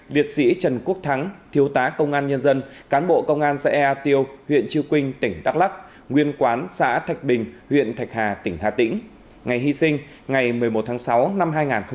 liệt sĩ trần quốc thắng thiếu tá công an nhân dân cán bộ công an xã ea tiêu huyện chư quynh tỉnh đắk lắc nguyên quán xã thạch bình huyện thạch hà tỉnh hà tĩnh ngày hy sinh ngày một mươi một tháng sáu năm hai nghìn hai mươi ba